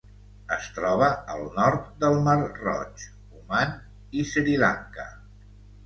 Es troba al nord del Mar Roig, Oman i Sri Lanka.